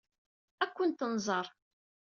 Ad kent-nẓer.